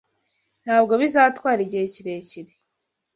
Ntabwo bizatwara igihe kirekire.